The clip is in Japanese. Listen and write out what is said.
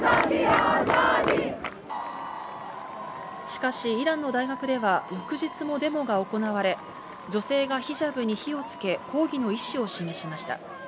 しかし、イランの大学では翌日もデモが行われ、女性がヒジャブに火をつけ、抗議の意思を示しました。